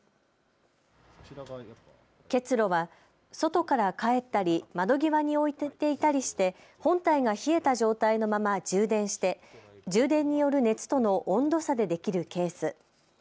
結露は外から帰ったり窓際に置いていたりして本体が冷えた状態のまま充電して充電による熱との温度差でできるケース。